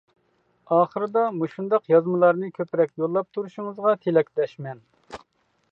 ئاخىرىدا مۇشۇنداق يازمىلارنى كۆپرەك يوللاپ تۇرۇشىڭىزغا تىلەكداشمەن.